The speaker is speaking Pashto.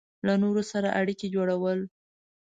له نورو سره اړیکې جوړول